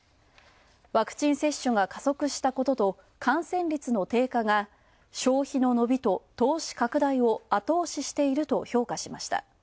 ワクチン接種が加速したことと感染率の低下が消費の伸びと投資拡大を後押ししていると評価しました。